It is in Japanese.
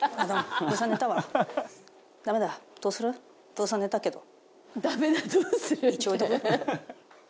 ブーさん寝たけど。